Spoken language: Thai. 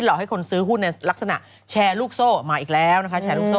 ออกให้คนซื้อหุ้นในลักษณะแชร์ลูกโซ่มาอีกแล้วนะคะ